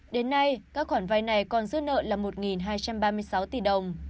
đến nay các khoản vay này còn dư nợ là một hai trăm ba mươi sáu tỷ đồng